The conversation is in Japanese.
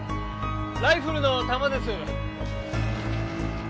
ライフルの弾です。